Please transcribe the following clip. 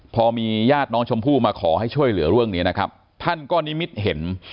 พอมีญาติน้องชมพู่มาขอให้ช่วยเหลือเรื่องนี้นะครับท่านก็นิมิตเห็น